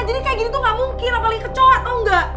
jadi kayak gini tuh gak mungkin apalagi kecoh tau gak